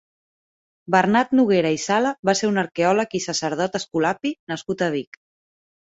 Bernat Noguera i Sala va ser un arqueòleg i sacerdot escolapi nascut a Vic.